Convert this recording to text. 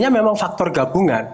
memang faktor gabungan